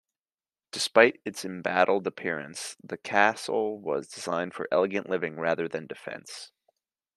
Despite its embattled appearance, the castle was designed for elegant living rather than defence.